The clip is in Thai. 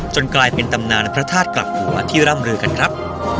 กลายเป็นตำนานพระธาตุกลับหัวที่ร่ำลือกันครับ